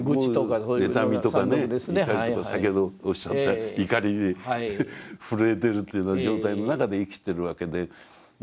そう妬みとかね怒りとか先ほどおっしゃった怒りに震えてるという状態の中で生きてるわけですが。